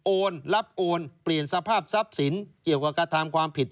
รับโอนเปลี่ยนสภาพทรัพย์สินเกี่ยวกับกระทำความผิด